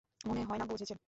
মনে হয়না বুঝেছেন।